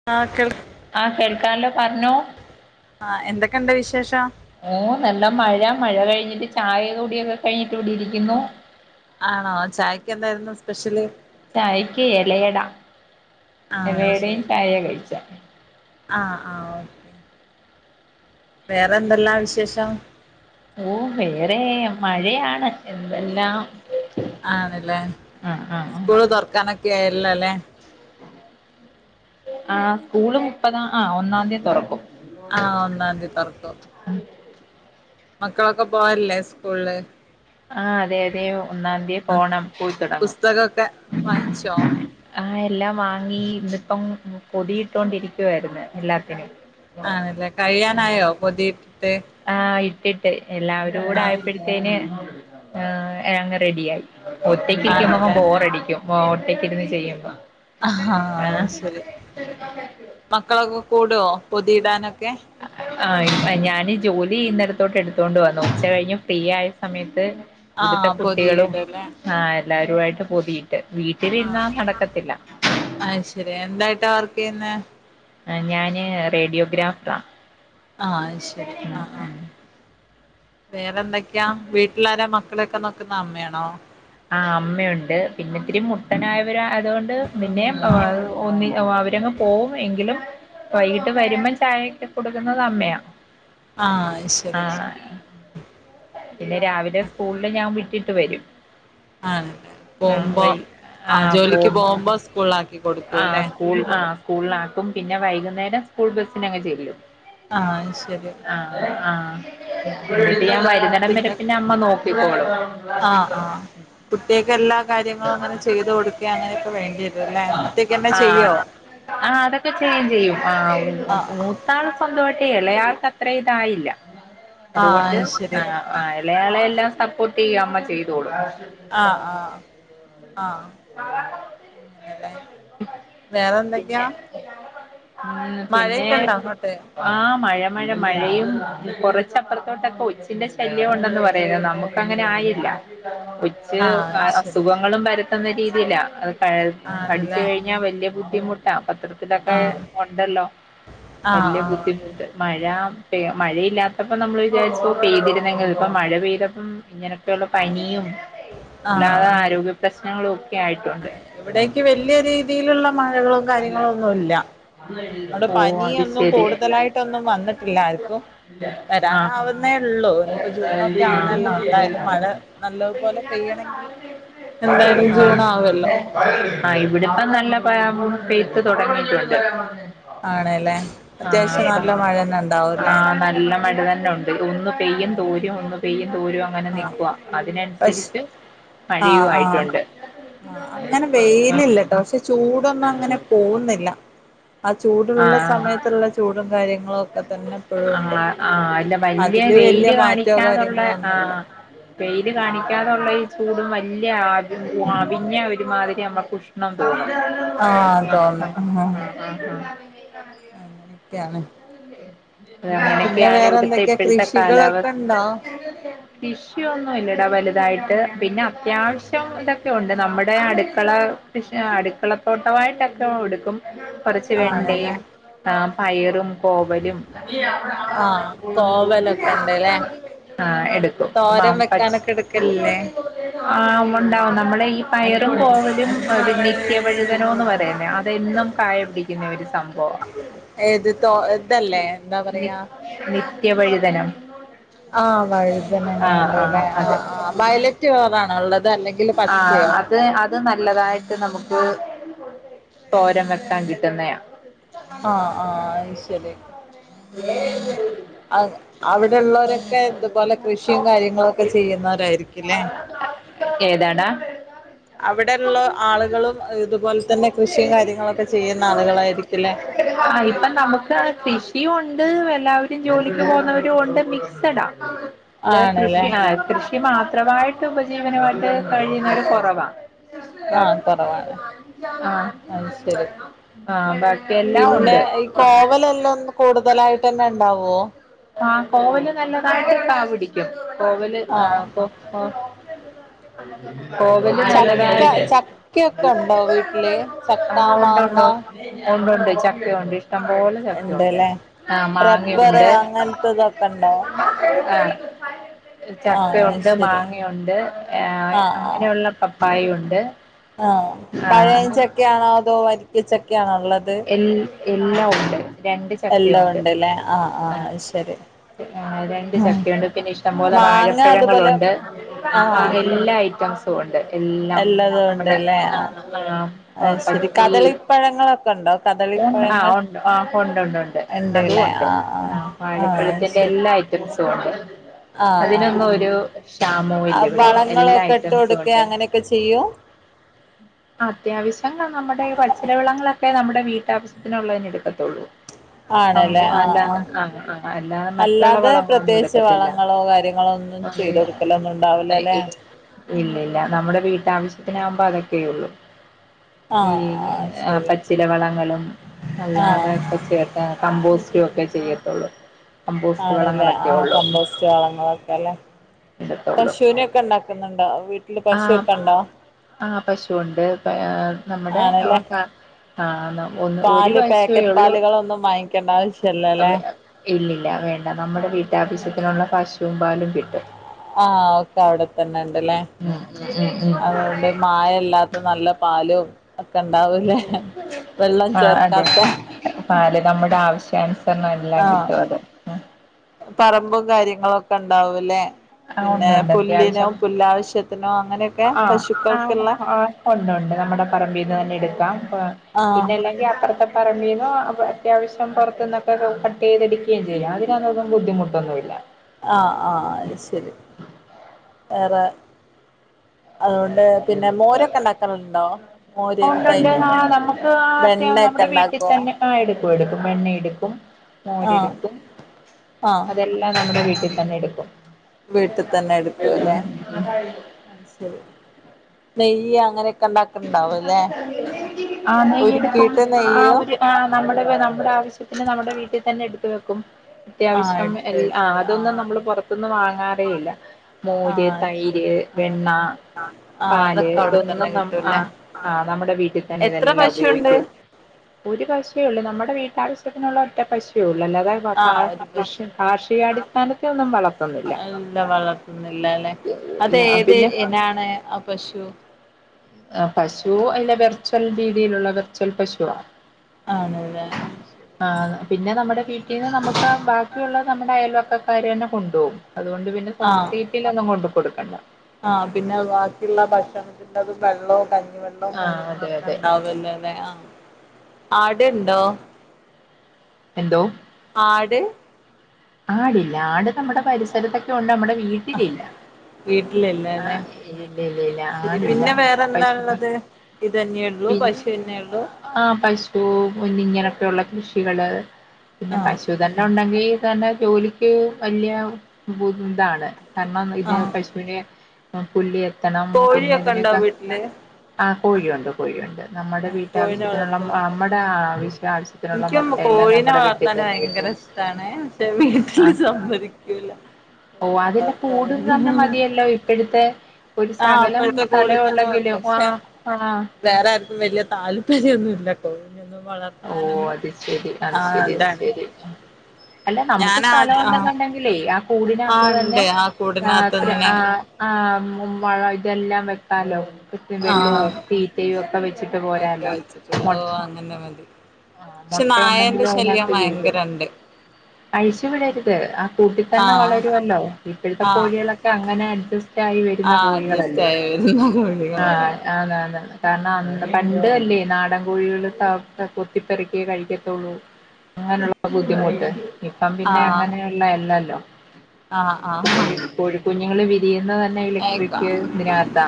[unintelligible] ആഹ്, കേൾക്കാല്ലോ, പർഞ്ഞോ? ആഹ്, എന്തൊക്കെയുണ്ട് വിശേഷം. ഓഹ്, നല്ല മഴ, മഴ, കഴിഞ്ഞിട്ട് ചായ കുടിയൊക്കെ കഴിഞ്ഞിട്ട്, ഇവിടിയിരിക്കുന്നു. ആണോ ചായക്ക് എന്തായിരുന്നു സ്പെഷ്യല് ചായയ്ക്ക് എലയട. ആ എല അടയും ചായയും [unintelligible] ആഹ് ആഹ് ഓ വേറെന്തെല്ലാ വിശേഷം? ഓഹ് വേറെ മഴയാണ് എന്തെല്ലാം ആണ്ല്ലേ ആഹ് ആഹ് ആഹ് സ്കൂള് തൊർക്കാനൊക്കെ ആയല്ലോ ല്ലേ ആഹ് സ്കൂള് മുപ്പത് ആ ഒന്നാംന്തി തൊറക്കും. ആഹ് ഒന്നാം ന്തി തൊർക്കും. മക്കളൊക്കെ പോകല്ലേ സ്കൂൾല്? ആഹ് അതെ അതെ ഒന്നാം ന്ത്യേ ആ പോണം. പോയ് തുടങ്ങും. പുസ്തകമൊക്കെ വാങ്ങിച്ചോ ആഹ് എല്ലാം വാങ്ങി ഇപ്പം പൊതിയിട്ടോണ്ട് ഇരിക്കുവാര്ന്നു എല്ലാത്തിനും. ആണല്ലേ ആഹ് കഴിയാനായോ പൊതിയിട്ടിട്ട്? ആഹ് ഇട്ടിട്ട് എല്ലാവരും ആ കൂടെ ആയപ്പോഴ്ത്തേന് അങ്ങ് റെഡിയായി. ഒറ്റക്കിരിക്കുമ്പൊ ആണല്ലേ ബോറടിക്കും ഒറ്റയ്ക്കിരുന്ന് ചെയ്യുമ്പോ ആഹ് അയ് ആഹ് ശരി മക്കളൊക്കെ കൂടടോ പൊതിയിടാനൊക്കെ ആ ഞാന് ജോലി ചെയ്യിന്നിടത്തോട്ട് എടുത്തോണ്ട് വന്നു. ഉച്ച കഴിഞ്ഞ് ഫ്രീ ആയ സമയത്ത് ആ ഇവ്ടുത്തെ കുട്ടികളും പൊതിയിടും അല്ലേ ആ എല്ലരു ആയിട്ട് പൊതിയിട്ട് വീട്ടിൽ ഇര്ന്നാ നടക്കത്തില്ല. അയ് ശരി എന്തായിട്ടാ വർക്കെയ്യുന്നേ? ഞാന് റേഡിയോഗ്രാഫ്‌ടാ ആഹ് അത് ശരി ആഹ് ആഹ് വേറെന്തൊക്കെയാ വീട്ടിലാരാ മക്കളൊക്കെ നോക്കുന്ന അമ്മയാണോ? ആ അമ്മയുണ്ട്. പിന്നെ ഇത്തിരി മുട്ടനായവര ആയതുകൊണ്ട് പിന്നെ ആഹ് ഒന്നി അവര് പോവും എങ്കിലും വൈകിട്ട് വരുമ്പം ചായക്കെ കൊടുക്കുന്നത് അമ്മയാ. ആഹ് അത് ശരി ആഹ് ആഹ് പിന്നെ രാവിലെ സ്കൂൾല് ഞാൻ വിട്ടിട്ട് വരും. [unintelligible] ആഹ് പോവ്മ്പോ വൈ ആ ജോലിക്ക് പോകുമ്പോ സ്കൂൾല് ആ ആഹ് സ്കൂൾ ആ സ്കൂൾല് ആക്കും പിന്നെ വൈകുന്നേരം സ്കൂൾ ബസിനങ്ങ് ചെല്ലും ആഹ് അത് ശരി ആഹ് എന്നിട്ട് ഞാൻ വരുന്നടം വരെ പിന്നെ അമ്മ നോക്കിക്കോളും. ആഹ് ആഹ് കുട്ട്യേക്ക് എല്ലാ കാര്യങ്ങളും അങ്ങനെ ചെയ്ത് കൊടു ക്കാ അങ്ങനെയൊക്കെ വേണ്ടി വരൂല്ലെ. ഒറ്റയ്ക്കെന്നെ ചെയ്യോ? ആഹ് അതൊക്കെ ചെയ്യും ചെയ്യും ആ ആഹ് മൂ ത്താള് സ്വന്തമായിട്ട് ചെയ്യും. എളയാൾക് അത്ര ഇതായില്ല ആഹ് അതുകൊണ്ട് അത് ആ ശരി ആഹ് ഇളയാളെ എല്ലാം സപ്പോട്ട് ചെയ്യാ അമ്മ ചെയ്തൊട്ക്കും. ആഹ് ആഹ് ആഹ് അങ്ങനെല്ലേ വേറെ പിന്നെ എന്തൊക്കെയാ പിന്നെ മഴയൊക്കെ ഉണ്ടോ അങ്ങോട്ട് ആഹ് മഴ മഴ മഴയും കൊർച്ചപ്പർത്തോട്ടൊക്കെ ഒച്ചിന്റെ ശല്യം ഉണ്ടെന്ന് പറയുന്നു നമ പ്പ അങ്ങനെ ആയില്ല ആഹ് അത് ശരി അസുഖങ്ങളും പരത്തുന്ന രീതിയില അത് കടിച്ച് ആണല്ലേ കഴി ഞ്ഞാ വല്യ ബുദ്ധിമുട്ടാ പത്രത്തിലൊക്കെ ആഹ് ഒണ്ടല്ലോ ആഹ് വല്യ ആഹ് ബുദ്ധിമുട്ട് മഴ പെ മഴയില്ലാത്തപ്പോ നമ്മള് വിചാരിച്ചു പെയ്തിരുന്നെങ്കിൽ ഇപ്പ മഴ പെയ്തപ്പം ഇങ്ങനെ പനിയും ഇല്ലാത ആഹ് ആരോഗ്യ പ്രശ്നങ്ങളും ഒക്കെ ആയിട്ടുണ്ട് അതെ ഇവിടേക്ക് വല്യ രീതിയിലുള്ള മഴകളും കാര്യങ്ങളോ ഒന്നും ഇല്ല. ഉ അവ്ടെ പനിയൊന്നും കൂടുതലായിട്ടൊന്നും വന്ന്ട്ടില്ല ആർക്കും. ആഹ് ആഹ് വരാനാവുന്നേള്ളൂ. ഇനിപ്പോ ജൂണൊക്കെ ആവണല്ലോ എന്തായാലും മഴ നല്ലോ പോലെ പെയ്യണെങ്കിൽ എന്തായാലും ജൂണ് ആവല്ലോ ആഹ് ഇവിടിപ്പം നല്ല [unintelligible] പെയ്ത്ത് തുടങ്ങിയിട്ടുണ്ട്. ആണല്ലേ ആഹ് അത്യാവശ്യം അപ്പ നല്ല മഴ തന്നെ ഉണ്ടാവുംല്ലേ ആഹ നല്ല മഴ തന്നെ ഉണ്ട് ഒന്നും പെയ്യും ആഹ് തോരും ഒന്ന് പെയ്യും തോരും അങ്ങനെ ആഹ് നിക്കുവാ പശ് അതിനൻസരിച്ച് ആഹ് ആഹ് ആ അങ്ങനെ ആഹ് വെയിലല്ലട്ടോ പക്ഷെ- ചൂടൊന്നും അങ്ങനെ പോകുന്നില്ല ആ ചൂടുള്ള സമയത്ത്- ത്തുള്ള ചൂടും കാര്യങ്ങളും ഒക്കെ തന്നെ ഇപ്പോഴും ഉണ്ട് ആഹ് ആഹ് അല്ല വല്യ അതില് വലിയ വെയില് മാറ്റോ കാണിക്കാതുള്ള കാര്യങ്ങളോ ഒന്നുമില്ല ആഹ് വെയില് കാണിക്കാതുള്ള ഈ ചൂടും വലിയ ആ ആവിഞ്ഞ ഒരുമാതിരി നമ്മക്ക്- ആന് തോന്നണ് ആഹ് ആഹ് ആഹ് അങ്ങനെയൊക്കെയാണ് അങ്ങനെയൊക്കെ പിന്നെ ആണ് വേറെ ഇവിടുത്തെ എന്തൊക്കെയാ ഇപ്പോഴത്തെ കൃഷികളൊക്കെ കാലാവസ്ഥ ഉണ്ടോ ഇഷ്യു ഒന്നും ഇല്ലടാ വലുതായിട്ട് പിന്നെ അത്യാവശ്യം ഇതൊക്കെ ഉണ്ട് നമ്മുടെ അടുക്കള അടുക്കളത്തോട്ടമായിട്ടൊക്കെ എടുക്കും കൊറച്ച് ആണല്ലേ വെണ്ടയും ആ പയറും- കോവലും ആഹ് കോവലൊക്കെ ഉണ്ടല്ലേ ആഹ് എടുക്കും മാമ്പച്- എടുക്കല്ലേ ആഹ് ഉണ്ടാവും നമ്മടെ ഈ പയറും കോവലും ഒരു നിത്യവഴുതനോന്ന് പറയുന്നേ- എന്നും കായ പിടിക്കുന്ന ഒരു സംഭവ ഏത് തോ ഇതല്ലേ എന്താ നി പറയാ- നിത്യവഴുതനം ആഹ് വഴുതനം ആഹ് അങ്ങനെയില്ലേ അതെ ആഹ് ആഹ് വയലറ്റ് കളർ ആണോ ഉള്ളത് അ [unintelligible] ത അല്ലെങ്കിൽ ആഹ് പച്ചയോ അത് അത് നല്ലതായിട്ട് നമുക്ക് തോരൻ വെക്കാൻ കിട്ടുന്നെയാ ആഹ് ആഹ് അത്ശരി അവിടെള്ളവരൊക്കെ ഇതുപോലെ കൃഷിയും കാര്യങ്ങളൊക്കെ പി ചെയ്യുന്നവരായിരിക്കുംല്ലേ [unintelligible] [unintelligible] ഏതാടാ അവിടെ ഉള്ള ആളുകളും ഇതുപോലെ തന്നെ കൃഷിയും കാര്യങ്ങളൊക്കെ ചെയ്യുന്ന ആളുകളായിരിക്കില്ലേ ആഹ് ഇപ്പം നമുക്ക് കൃഷിയും ഉണ്ട് എല്ലാവരും ജോലിക്ക് പോകുന്നവരും ഉണ്ട് മിക്സഡാ ആണ് [unintelligible] അല്ല ആണ്ല്ലേ കൃഷി ആ കൃഷി മാത്രമായിട്ട് ഉപജീവനമായിട്ട് കഴിയുന്ന വര് കൊറവാ അ [unintelligible] ആ കുറവാണ് അത് ശരി ആഹ് ആഹ് ബാക്കിയെല്ലാം ഒണ്ട് പിന്നെ ഈ കോവലെല്ലാം ഒന്ന് കൂടുതലായിട്ട് തന്നെ ഉണ്ടാവോ ആ കോവല് നല്ലതായിട്ട് കാ പിടിക്കും കോവല് ആ- കോ- കോവല് ചക്ക നല്ലതായിട്ട് ചക്കയൊക്കെ ഉണ്ടോ വീട്ടില് ആ ചക്ക ഉണ്ടോ ഉണ്ടോ മാങ്ങ ഒണ്ട് ഒണ്ട് ചക്കയ ഒണ്ട് ഇഷ്ടംപോലെ ചക്ക ഒണ്ട് ഇണ്ട്ല്ലേ ആ മാങ്ങയൊണ്ട് ഇത ഒക്കെ ഒണ്ടോ ആഹ [unintelligible] ആഹ് അത് ചക്കയൊണ്ട് ശരി മാങ്ങയൊണ്ട് ആ ആഹ് ആഹ് അങ്ങനെയുള്ള പപ്പായുണ്ട് ആഹ് ആ അങ്ങനെ പഴയൻഞ്ചൊക്കെ ആണോ അതോ വരിക്കച്ചക്കെയണോ ഉള്ളത് എൽ എല്ലാം ഉണ്ട് രണ്ട് ചക്കയും ഒ എല്ലാം ണ്ട് ഉണ്ട്ല്ലേ ആഹ് അത് ശരി ആഹ് രണ്ട് ആഹ് ചക്കയൊണ്ട് പിന്നെ ഇഷ്ടംപോലെ മാങ്ങ അതുപോലെ വാഴപ്പഴങ്ങളുണ്ട് ആഹ് എല്ലാ ഐറ്റംസ്- ഇണ്ട് എല്ലാം എല്ലതും നമ്മുടെ ഉണ്ട്ല്ലേ ആഹ് പപ്പറ്റി [unintelligible] പഴങ്ങളൊക്കെ ഉണ്ടോ ആഹ് കദളിപ്പഴങ്ങൾ ഉണ്ട് ആ ഉണ്ട്ണ്ട് ഉണ്ട് അതും ഉണ്ട്ല്ലേ ഉണ്ട് ആഹ് ആഹ് ആ ആഹ് അത് വാഴപ്പഴത്തിന്റെ ശരി എല്ലാ- സ കൊണ്ട് [unintelligible] ആഹ് അതിനൊന്നും ഒരു ഷാമോയില്ല ആഹ് ഇവിടെ എല്ലാ വളങ്ങളൊക്കെ ഇട്ട് ഐറ്റംസും കൊടുക്കെ ഉണ്ട് അങ്ങനെയൊക്കെ ചെയ്യും അത്യാവശ്യങ്ങളാ നമ്മുടെ പച്ചില വളങ്ങളൊക്കെ നമ്മുടെ- വേട്ടവിശ്യത്തിന് ഉള്ളത് തന്നെ കിട്ടത്തൊള്ളൂ ആണല്ലേ ആഹ് ആഹ് ആഹ് അല്ലാതെ മറ്റുള്ള അല്ലാതെ വളങ്ങളൊന്നും പ്രത്യേകിച്ച് എടുക്കത്തില്ല വളങ്ങളോ കാര്യങ്ങളോ ഒന്നും- ചെയ്തൊടുക്കലൊന്നുണ്ടാവില്ലല്ലേ ഇല്ലല്ല നമ്മുടെ വീട്ടാവശ്യത്തിനാഉമ്പോ അതൊക്കെ ഉള്ളു ഈ ആഹ് ആഹ് ആ ശരി പച്ചില വള വലം ആഹ് അല്ലാതെയൊക്കെ ചേർത്ത കമ്പോസ്റ്റും ഒക്കെ ചെയ്യത്തുള്ളൂ കമ്പോസ്റ്റ് ആണല്ലേ വളങ്ങളൊക്കെ ആഹ് ഉള്ളു കമ്പോസ്റ്റ് വളങ്ങളൊക്കെ അല്ലെ ഇടത്തുള്ളൂ പശുവിനെക്കെണ്ടാക്കുന്നുണ്ടോ വീട്ടില് പശുക്കെ ഉണ്ടോ ആഹ് പശു ഉണ്ട് നമ്മുടെ ആണല്ലേ ഒക്ക [unintelligible] പാല് പാക്കറ്റ് പാലുകളൊ ഒന്നും വാങ്ങിക്കേണ്ട ആവശ്യല്ലല്ലേ ഇല്ലില്ല വേണ്ട നമ്മുടെ വീട്ടാഭ്യസ്യത്തിനുള്ള പശുവും പാലും കിട്ടും ആഹ് ഒക്കെ അവിടെത്തന്നെണ്ട് ല്ലേ ഉം ഉം ഉം അതൊണ്ട് മായല്ലാത്ത നല്ല പാലും ഒക്കെ ഉണ്ടാവൂലേ വെള്ളം ആഹ് അതെ ചേർക്കാത്ത പാല് നമ്മുടെ ആവശ്യാനുസരണം എല്ലാം കിട്ടും ആഹ് അത് പറമ്പും കാര്യങ്ങളും ഒക്കെ ഉണ്ടാവൂല്ലേ ആഹ് പിന്നെ ഉണ്ട് ഉണ്ട് പുല്ലിനോ അത്യാവശ്യം പുല്ലാവശ്യത്തിനോ അങ്ങനെയൊക്കെ ആഹ് ആഹ് പശുക്കൾക്കുള്ള ആഹ് ഉണ്ട് ഉണ്ട് നമ്മുടെ പറമ്പിന്ന് തന്നെ എടുക്കാം ആഹ് പിന്നെ അല്ലെങ്കി അപ്പർത്തെ പറമ്പിന്നോ അവ് അത്യാവശ്യം പുറത്ത്ന്നൊക്കെ കട്ട്യ്തെടുക്കുകയും ചെയ്യും അതിനന്നൊന്നും ബുദ്ധിമുട്ടൊന്നുല്ല ആഹ് ആഹ് അഹ് ശരി വേറെ അതുകൊണ്ട് പിന്നെ ഉണ്ട് മോരൊക്കെ ഉണ്ടാക്കലുണ്ടോ മോര് ണ്ട് തൈര് നാ നമക് [unintelligible] ആഹ് അത്യാം വെണ്ണയൊക്കെ നമ്മുടെ വീട്ടിൽ ഉണ്ടാക്കോ തന്നെ ആഹ് എടുക്കും എടുക്കും വെണ്ണ എടുക്കും ആഹ് മോരെടുക്കും ആഹ് അതെല്ലാം നമ്മുടെ വീട്ടിൽ തന്നെ എടുക്കും വീട്ടിൽ അഹ് ശരി നെയ്യ് അങ്ങനെ ആഹ് നെയ്യടുക്കും ഉരുക്കിയിട്ട് അഹ് നെയ്യോ അവര് ആഹ് നമ്മുടെകെ നമ്മുടെ ആവശ്യത്തിന് നമ്മുടെ വീട്ടി തന്നെ എടുത് വെക്കും ആഹ് അത്യാവശ്യം എടുത്ത് എൽ ആഹ് വെച്ചിട്ട് അതൊന്നും നമ്മൾ പുറത് ന്ന് വാങ്ങാറേയില്ല മോര് ആഹ് അത് തൈര് ശരി ആഹ് വെണ്ണ ആഹ് പാല് അതൊക്കെ ഇതൊന്നും അവിടെത്തന്നെ നം കിട്ടൂല്ലേ ആഹ് ആഹ് നമ്മുടെ വീട്ടി തന്നെ എത്ര ഇതെല്ലാം പശുണ്ട് ഉപയോഗിക്കും ഒരു പശു ഉള്ളൂ നമ്മുടെ വീട്ടാവശ്യത്തിനുള്ള ഒറ്റ പശിയെ ഉള്ളൂ അല്ലാതെ ന്നൊകാ ആഹ് ഒരു കൃഷ പശു കാർഷികാടിസ്ഥാനത്തെ ഒന്നും വളർത്തുന്നില്ല ല്ലല്ലെ അതേത് പിന്നെ ഇനാണ് ആഹ് പശു ആഹ് പശു അയ്ലെ വെർച്വൽ രീതിയിലുള്ള വെർച്വൽ പശുവാ ആണല്ലേ അം ശ ആഹ് പിന്നെ നമ്മുടെ വീട്ടിൽ നിന്ന് നമുക്കാ ബാക്കിയുള്ളത് നമ്മുടെ അയൽവക്കത്‌ അവര് ന്നെ കൊണ്ടോഉം അതുകൊണ്ട് പിന്നെ ആഹ് സൊസൈറ്റിയിൽന്നും കൊണ്ടു കൊടുക്കണ്ട ആഹ് പിന്നെ ബാക്കിള്ള ഭക്ഷണത്തിന്റത് വെള്ളോ കഞ് വെള്ളോം ആഹ് അതെ കാര്യങ്ങളൊക്കെ അതെ ഉണ്ടാവല്ലോല്ലെ ആഹ് ആടണ്ടോ എന്തോ ആട് ആടില്ല ആട് നമ്മുടെ പരിസരത്തൊക്കെണ്ട് നമ്മടെ വീട്ടിലില്ല വീട്ടിലല്ലന്നെ ആഹ് ഇല്ല ഇല്ല ഇല്ല ശരി ആടില്ല പിന്നെ വേറെന്താ പശു ഉള്ളത് ഇതെന്നെള്ളൂ പിന്നെ പശുഎന്നെള്ളൂ ആഹ് പശു മുന്നിങ്ങനൊക്കെയുള്ള കൃഷികള് പിന്നെ ആഹ് പശു തന്നെ ഉണ്ടെങ്കി തന്നെ ജോലിക്ക് വല്ല്യ ബുംതാണ് കാരണം ഇത് ആഹ് പശ്മിനെ പുല്ല്ചെത്തണം പിന്നെ കോഴിയൊക്കെ ഉണ്ടോ ഇതിനൊക്കെ വീട്ടില് ആഹ് കോഴിയുണ്ട് കോഴിയുണ്ട് നമ്മടെ കോഴിനെ വീട്ടാവശ്യത്തിനുള്ള വളർത്തലുണ്ടല്ലേ നമ്മടെ ആവശ്യആവശ്യത്തിനുള്ള എനിക്കും മുട്ടയെല്ലാം നമ്മുടെ വീ ട്ടിത്തെന്നെ കിട്ടോ ത്താണെ പഷെ വീട്ടില് സമ്മതിക്കൂല ഓ കോഴിനെ അതിന്റെ കൂടും വളർത്താനൊന്നു തന്നെ മതിയല്ലോ ഇപ്പഴത്തെ ഒരു സകലം കൂടെ തന്നെ മതി സ്ഥലോണ്ടെങ്കിലലോ പക്ഷെ ആഹ് ആഹ് വേറെ ആർക്കും വല്ല്യ താല്പര്യന്നും ഇല്ലട്ടോ ഇഞ്ഞൊന്നും വളർ ഓഹ് അത്ശരി അത്ശരി അത്ശരി അല്ല നമുക്ക് ഞാൻ ആ ആഹ് സ്ഥലോന്നുണ്ടെങ്കി [unintelligible] ആ കൂടിനാത്ത് ആഹ് തന്നെ ഉണ്ട് ആ രാത്രി കൂടിനകത്തന്നെ ആഹ് ആഹ് ഉമ്മുമഴയിതെല്ലാം വെക്കാലോ കിറ്റ് വെള്ളും ആഹ് തീറ്റയും ഒക്കെ വെ ഒക്കെ അയ്ച്ചിട്ട് ഓഹ് അങ്ങനെ മതി ആഹ് ക്ഷെ നായേന്റെ മൊട്ടയുണ്ടെങ്കിലും ശല്യം അതിനകത്ത് വീഴും ഭയങ്കരെണ്ട് അഴിച്ചു വിടരുത് ആ കൂട്ടിത്തന്നെ ആഹ് വളരുവല്ലോ ഇപ്പഴത്തെ ആഹ് കോഴികളൊക്കെ അങ്ങനെ അഡ്ജസ് റ്റായി വരുന്ന ആഹ് അഡ്ജസ്റ്റ് കോഴികളല്ലേ ആയി വരുന്ന കോഴികളാണ് ആഹ് ആന്ന് ആന്ന് കാരണം അന്ന് പണ്ട് അല്ലേ നാടൻ കോഴികള് ത കൊത്തിപ്പെറക്കി കഴിക്കത്തുള്ളൂ അങ്ങനുള്ള ബുദ്ധിമുട്ട് ഇപ്പം പിന്നെ ആഹ് അങ്ങനേ ള്ള എല്ലല്ലൊ ആഹ് ആഹ് വിരിയുന്നത് തന്നെ ഏക്ക ഇലക്ട്രിക് ഇതിനകത്താ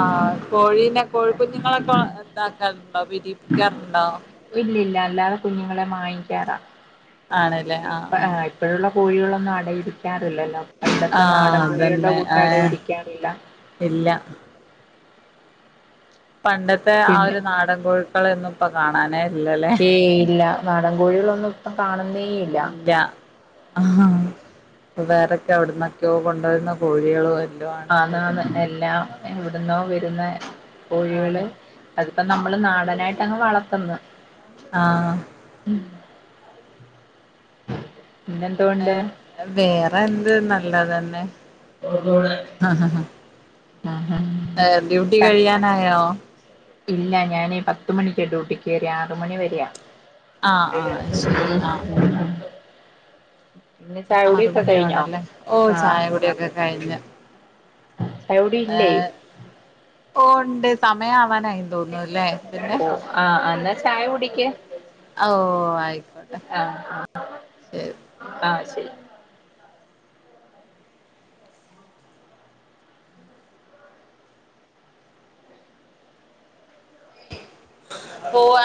ആഹ് കോഴീനെ കോഴിക്കുഞ്ഞുങ്ങളൊക്കെ ഇതാക്കാറുണ്ടോ വിരീപ്പിക്കാറുണ്ടോ ഇല്ലില്ല അല്ലാതെ കുഞ്ഞുങ്ങളെ മാങ്ങിക്കാറാ ആഹ് ഇപ്പഴുള്ള കോഴികളൊന്നും അടയിരിക്കാറില്ലല്ലോ പണ്ടത്തെ ആഹ് നാടൻ കോഴികളുടെ അതന്നെ കൂട്ട് ഏഹ് അടയിരിക്കാറില്ല ഇല്ല പണ്ടത്തെ ആ പിന്നെ ഒരു നാടൻ കോഴുക്കളൊന്നും ഇപ്പ കാണാനേ ഇല്ലല്ലേ ഏയ് ഇല്ല നാടൻ കോഴികളൊന്നും ഇപ്പം കാണുന്നേ ഇല്ല ആഹ് വേറെക്കെ എവിടുന്നൊക്കെയോ കൊണ്ടുവരുന്ന കോഴികളും എല്ലാം ആണുള്ളത് ആന്നാന്ന് എല്ലാം എവിടുന്നോ വരുന്ന കോഴികള് ആണ് അതിപ്പോ നമ്മള് നാടനായിട്ട് അങ്ങ് വളത്തിന്ന് ആഹ് ഉം പിന്നെന്തോണ്ട് വേറെ എന്ത് നല്ലതന്നെ [unintelligible] ഏഹ് ഡ്യൂട്ടി കഴിയാനായോ ഇല്ല ഞാനേ പത്ത് മണിക്കാ ഡ്യൂട്ടിക്ക് കേറിയേ ആറ്മണി വരെയാ ആഹ് ആഹ് അത് ശരി ആഹ് [unintelligible] പിന്നെ ചായകുടിയൊക്കെ കഴിഞ്ഞോ ആഹ് ടിയൊക്കെ കയിഞ്ഞു ചായകുടി ഇല്ലേ ഏഹ് ഓഹ് ഒണ്ട് സമയാവാനായി തോന്നൂല്ലേ പിന്നെ ഓ ആഹ് എന്നാ ചായ കുടിക്ക് ഓഹ് ആയിക്കോട്ടെ ആഹ് ആഹ് ശരി ആഹ് ശരി പോവാ